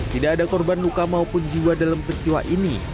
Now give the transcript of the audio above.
tidak ada korban luka maupun jiwa dalam peristiwa ini